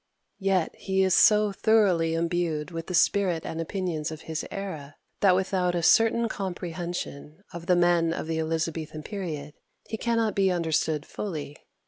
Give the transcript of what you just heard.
Yet he is so thoroughly imbued with the spirit and opinions of his era, that without a certain comprehension of the men of the Elizabethan period he cannot be understood fully.